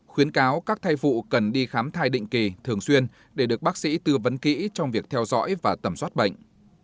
khuyến cáo các thai phụ cần đi khám thai định kỳ thường xuyên để được bác sĩ tư vấn kỹ trong việc theo dõi và tẩm soát bệnh